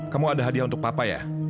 kamu ada hadiah untuk papa ya